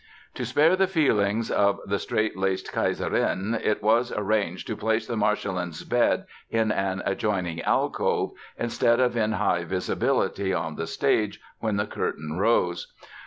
To spare the feelings of the straight laced Kaiserin it was arranged to place the Marschallin's bed in an adjoining alcove instead of in high visibility on the stage when the curtain rose.